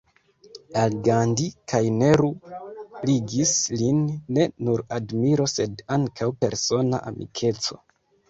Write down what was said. Al Gandhi kaj Nehru ligis lin ne nur admiro sed ankaŭ persona amikeco.